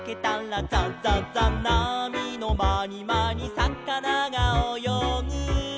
「なみのまにまにさかながおよぐ」